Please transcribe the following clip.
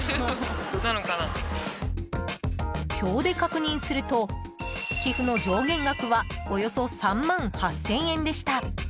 表で確認すると寄付の上限額はおよそ３万８０００円でした。